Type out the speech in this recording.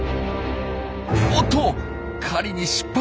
おっと狩りに失敗。